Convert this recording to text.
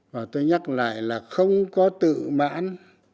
và tôi nhắc lại là không có tự mãn